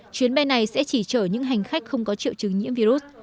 chuyến bay này sẽ chỉ chở những hành khách không có triệu chứng nhiễm virus